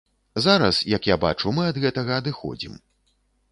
Зараз, як я бачу, мы ад гэтага адыходзім.